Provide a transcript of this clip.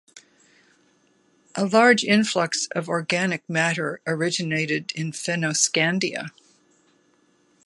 A large influx of organic matter originated in Fennoscandia.